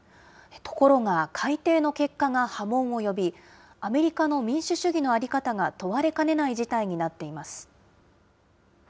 ところが、改定の結果が波紋を呼び、アメリカの民主主義の在り方が問われかねない事態になっています。